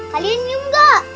kalian nyum gak